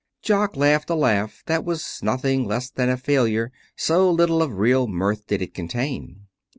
Jock laughed a laugh that was nothing less than a failure, so little of real mirth did it contain.